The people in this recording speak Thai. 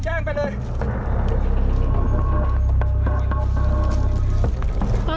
สวัสดีครับ